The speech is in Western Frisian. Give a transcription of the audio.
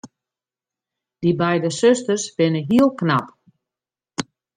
Dy beide susters binne hiel knap.